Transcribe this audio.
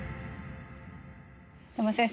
でも先生